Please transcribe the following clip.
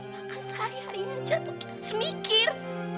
maka sehari harinya aja tuh kita semikir